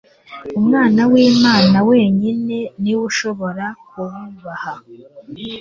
Umwana w'Imana wenyine ni we ushobora kububaha;